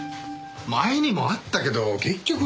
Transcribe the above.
前にもあったけど結局は。